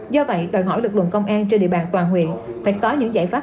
do vậy đòi hỏi lực lượng công an trên địa bàn toàn huyện phải có những giải pháp